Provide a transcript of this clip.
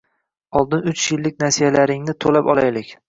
Oldin uch yillik nasiyalaringni toʻlab olaylik